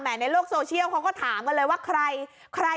แหมในโลกโซเชียลเค้าก็ถามเลยว่า